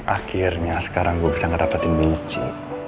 akhirnya sekarang gue bisa ngerapatin michi